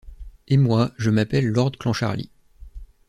Et moi, je m’appelle lord Clancharlie.